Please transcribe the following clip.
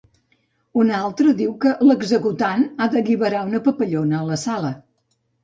Una altra diu que l'executant ha d'alliberar una papallona a la sala.